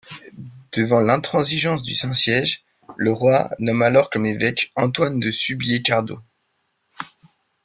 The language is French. Devant l'intransigeance du Saint-Siège, le Roi nomme alors comme évêque Antoine de Subiet-Cardot.